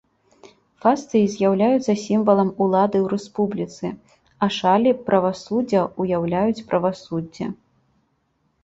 Фасцыі з'яўляюцца сімвалам улады ў рэспубліцы, а шалі правасуддзя ўяўляюць правасуддзе.